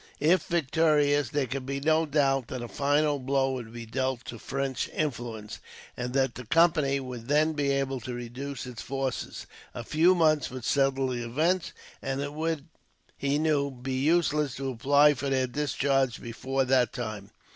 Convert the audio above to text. If victorious, there could be no doubt that a final blow would be dealt to French influence, and that the Company would then be able to reduce its forces. A few months would settle the event, and it would, he knew, be useless to apply for their discharge before that time.